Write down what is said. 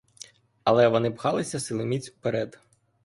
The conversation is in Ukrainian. Але вони пхалися силоміць уперед.